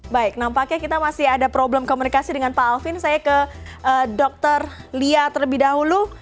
baik nampaknya kita masih ada problem komunikasi dengan pak alvin saya ke dr lia terlebih dahulu